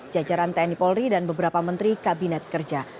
jajaran tni polri dan beberapa menteri kabinet kerja